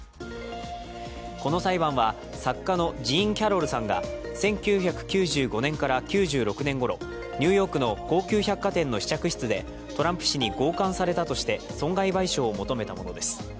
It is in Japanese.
この裁判は作家のジーン・キャロルさんが１９９５年から９６年ごろニューヨークの高級百貨店の試着室でトランプ氏に強姦されたとして損害賠償を求めたものです。